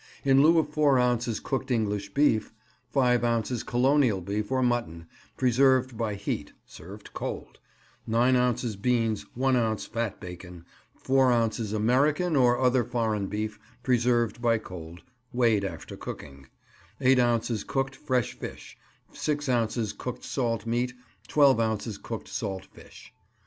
In lieu of four ounces cooked English beef: Five ounces Colonial beef or mutton, preserved by heat (served cold); nine ounces beans, one ounce fat bacon, four ounces American or other foreign beef, preserved by cold (weighed after cooking), eight ounces cooked fresh fish; six ounces cooked salt meat; twelve ounces cooked salt fish.